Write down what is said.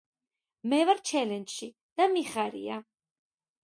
მე ვარ ჩელენჯში და მიხარია